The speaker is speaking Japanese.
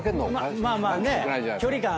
まあまあね距離感。